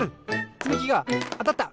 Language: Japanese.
つみきがあたった！